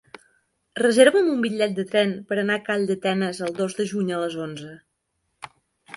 Reserva'm un bitllet de tren per anar a Calldetenes el dos de juny a les onze.